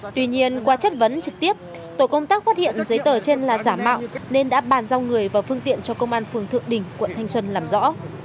tuy nhiên qua chất vấn trực tiếp tổ công tác phát hiện giấy tờ trên là giả mạo nên đã bàn giao người và phương tiện cho công an phường thượng đỉnh quận thanh xuân làm rõ